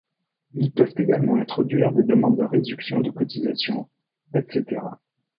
Ils peuvent également introduire des demandes de réductions de cotisations, etc.